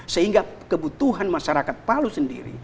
sehingga kebutuhan masyarakat palu sendiri